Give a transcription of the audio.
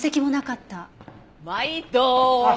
まいど！